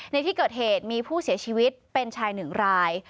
ในที่เกิดเหตุมีผู้เสียชีวิตเป็นชายหนึ่งราย